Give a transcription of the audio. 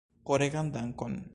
Koregan dankon!